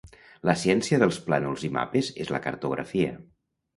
La ciència dels plànols i mapes és la cartografia.